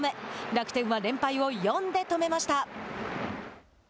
楽天は連敗を４で止めました。